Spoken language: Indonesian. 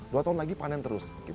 dua tahun lagi panen terus